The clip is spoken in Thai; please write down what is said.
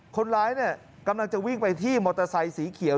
คนร้ายเนี่ยกำลังจะวิ่งไปที่มอเตอร์ไซค์สีเขียว